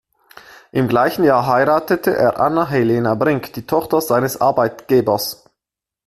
Im gleichen Jahr heiratete er Anna Helena Brinck, die Tochter seines Arbeitgebers.